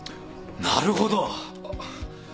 なるほど！あっ。